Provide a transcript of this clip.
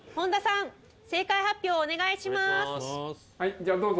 じゃあどうぞ。